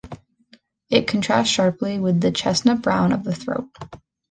It contrasts sharply with the chestnut brown of the throat.